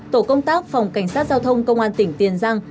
tổ công tác phòng cảnh sát giao thông công an tỉnh tiền giang